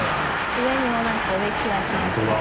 上にもなんか植木鉢乗ってて。